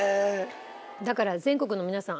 だから全国の皆さん